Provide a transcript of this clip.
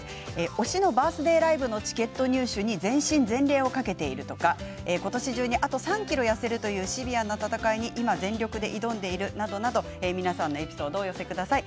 推しのバースデーライブのチケット入手に全身全霊をかけているとかことし中にあと３ｋｇ痩せるというシビアな戦いに今全力で挑んでいるとか皆さんのエピソードをお寄せください。